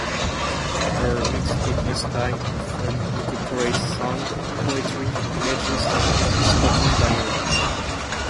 Her mixed media style often incorporates song, poetry, images, and spoken dialogue.